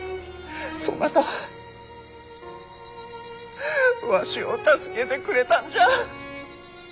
そなたはわしを助けてくれたんじゃ。